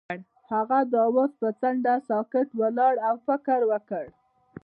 هغه د اواز پر څنډه ساکت ولاړ او فکر وکړ.